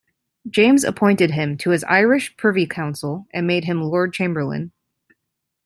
James appointed him to his Irish Privy Council and made him Lord Chamberlain.